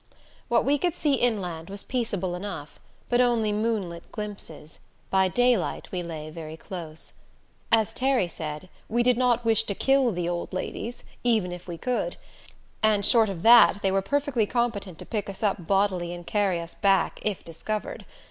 What we could see inland was peaceable enough, but only moonlit glimpses; by daylight we lay very close. As Terry said, we did not wish to kill the old ladies even if we could; and short of that they were perfectly competent to pick us up bodily and carry us back, if discovered.